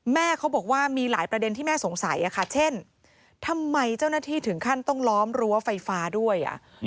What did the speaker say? แม่เขาบอกว่ามีหลายประเด็นที่แม่สงสัยเช่นทำไมเจ้าหน้าที่ถึงขั้นต้องล้อมรั้วไฟฟ้าด้วย